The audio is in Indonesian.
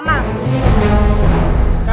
pindahkan dua nak